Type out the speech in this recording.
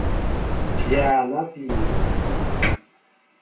Dya na pii.